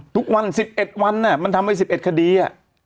ทุกวัน๑๑วันอ่ะมันทำให้๑๑คดีอ่ะ